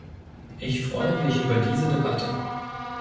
Ich freue mich über diese Debatte.